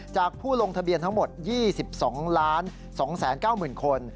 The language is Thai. ผู้ลงทะเบียนทั้งหมด๒๒๙๐๐คน